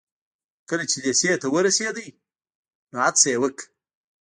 کله چې لېسې ته ورسېد نو هڅه يې وکړه.